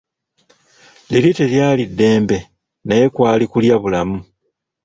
Liri teryali ddembe, naye kwali kulya bulamu!